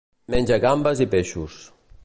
Menja gambes i peixos.